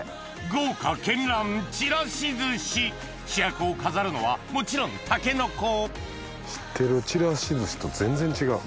豪華絢爛ちらし寿司主役を飾るのはもちろんタケノコ知ってるちらし寿司と全然違う。